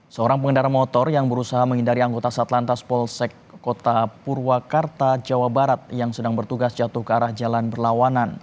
seorang pengendara motor yang berusaha menghindari anggota satlantas polsek kota purwakarta jawa barat yang sedang bertugas jatuh ke arah jalan berlawanan